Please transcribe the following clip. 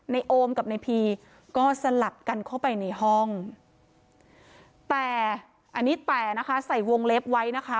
โอมกับในพีก็สลับกันเข้าไปในห้องแต่อันนี้แต่นะคะใส่วงเล็บไว้นะคะ